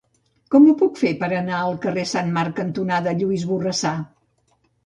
Com ho puc fer per anar al carrer Sant Marc cantonada Lluís Borrassà?